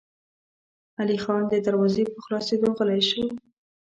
علی خان د دروازې په خلاصېدو غلی شو.